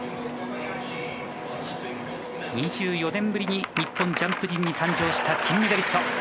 ２４年ぶりに日本ジャンプ陣に誕生した金メダリスト。